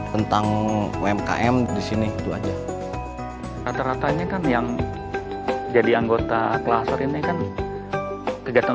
tentang umkm di sini itu aja rata rata ini kan yang jadi anggota kelas seringnya kan kegiatan